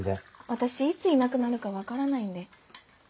私いついなくなるか分からないんで。